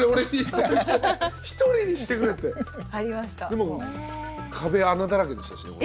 でもう壁穴だらけでしたし。